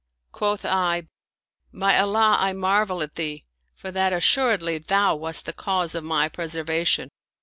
Quoth I, " By Allah, I marvel at thee, for that assuredly thou wast the cause of my preservation